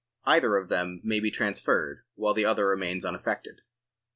Either of them may be transferred, while the other remains unaffected.